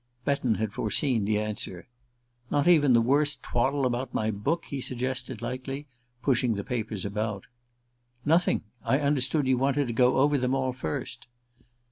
Betton had foreseen the answer. "Not even the worst twaddle about my book?" he suggested lightly, pushing the papers about. "Nothing. I understood you wanted to go over them all first."